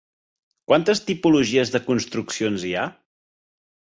Quantes tipologies de construccions hi ha?